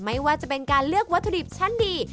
ไม่ว่าจะเป็นการเลือกวัตถุดิบชั้นดี